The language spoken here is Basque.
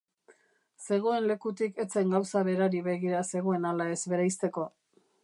Zegoen lekutik ez zen gauza berari begira zegoen ala ez bereizteko.